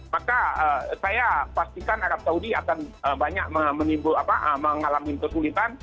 maka saya pastikan arab saudi akan banyak mengalami kesulitan